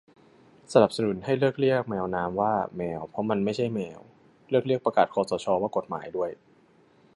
สนับสนุนให้เลิกเรียก แมวน้ำ ว่า แมว เพราะมันไม่ใช่แมว เลิกเรียกประกาศคสชว่ากฎหมายด้วย